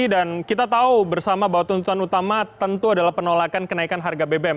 dan kita tahu bersama bahwa tuntutan utama tentu adalah penolakan kenaikan harga bbm